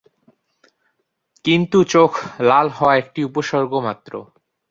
কিন্তু চোখ লাল হওয়া একটি উপসর্গ মাত্র।